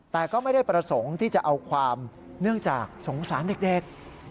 แต่ก็ไม่ได้ประสงค์ที่จะเอาความเนื่องจากสงสารเด็ก